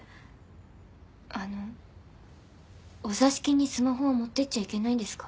あのお座敷にスマホは持ってっちゃいけないんですか？